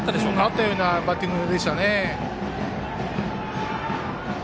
あったようなバッティングでしたね。